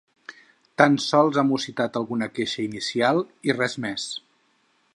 Tan sols ha mussitat alguna queixa inicial, i res més.